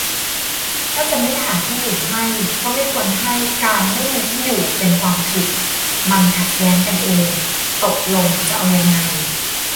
ถ้าจะไม่หาที่อยู่ให้ ก็ไม่ควรให้ การไม่มีที่อยู่ เป็นความผิด - มันขัดแย้งกันเอง ตกลงจะเอายังไง